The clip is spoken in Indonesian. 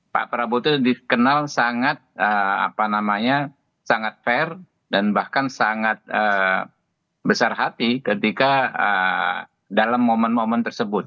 pak prabowo itu dikenal sangat fair dan bahkan sangat besar hati ketika dalam momen momen tersebut